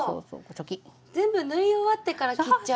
全部縫い終わってから切っちゃう。